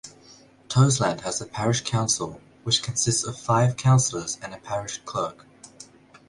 Toseland has a parish council, which consists of five councillors and a parish clerk.